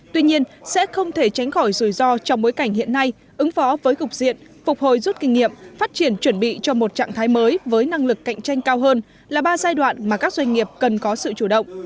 tuy nhiên sẽ không thể tránh khỏi rủi ro trong bối cảnh hiện nay ứng phó với cục diện phục hồi rút kinh nghiệm phát triển chuẩn bị cho một trạng thái mới với năng lực cạnh tranh cao hơn là ba giai đoạn mà các doanh nghiệp cần có sự chủ động